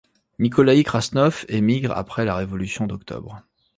Nikolaï Krasnov émigre après la révolution d'Octobre.